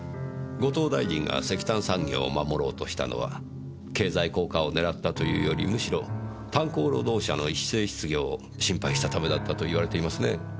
後藤大臣が石炭産業を守ろうとしたのは経済効果を狙ったというよりむしろ炭鉱労働者の一斉失業を心配したためだったと言われていますね。